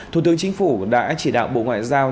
thủ tướng chính phủ đã chỉ đạo bộ ngoại giao